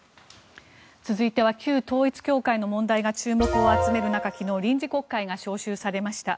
続いては旧統一教会の問題が注目を集める中昨日、臨時国会が召集されました。